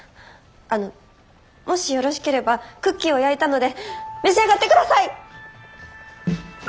あのもしよろしければクッキーを焼いたので召し上がって下さい！